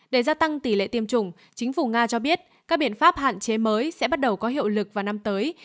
để gia tăng tỷ lệ tiêm chủng chính phủ nga cho biết các biện pháp hạn chế mới sẽ bắt đầu có hiệu lực vào năm tới